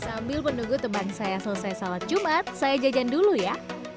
sambil menunggu teman saya selesai salat jumat saya jajan dulu ya